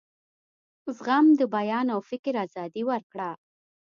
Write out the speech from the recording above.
زغم د بیان او فکر آزادي ورکړه.